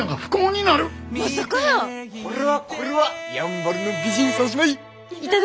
これはこれはやんばるの美人三姉妹。